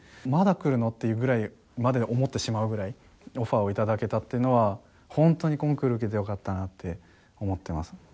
まだ来るの？っていうぐらいまで思ってしまうぐらいオファーを頂けたっていうのは本当にコンクール受けてよかったなって思ってます。